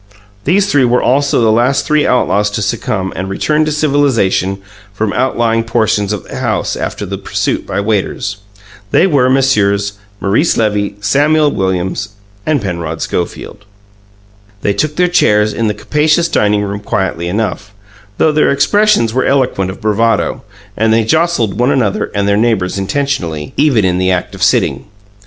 These three were also the last three outlaws to succumb and return to civilization from outlying portions of the house after the pursuit by waiters. They were Messieurs Maurice Levy, Samuel Williams, and Penrod Schofield. They took their chairs in the capacious dining room quietly enough, though their expressions were eloquent of bravado, and they jostled one another and their neighbours intentionally, even in the act of sitting.